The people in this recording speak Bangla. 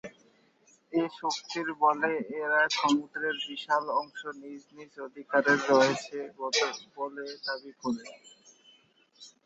এ শক্তির বলে এরা সমুদ্রের বিশাল অংশ নিজ নিজ অধিকারে রয়েছে বলে দাবি করে।